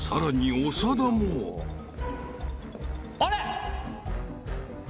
あれ！？